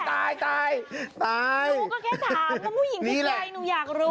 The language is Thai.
ดูก็แค่ถามว่าผู้หญิงก็ใจหนูอยากรู้